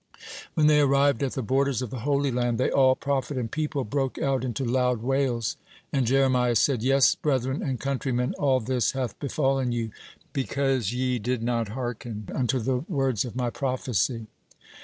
When they arrived at the borders of the Holy Land, they all, prophet and people, broke out into loud wails, and Jeremiah said: "Yes, brethren and countrymen, all this hath befallen you, because ye did not hearken unto the words of my prophecy."